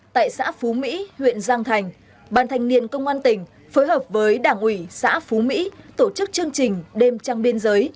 tại xã phú mỹ huyện giang thành ban thanh niên công an tỉnh phối hợp với đảng ủy xã phú mỹ tổ chức chương trình đêm trăng biên giới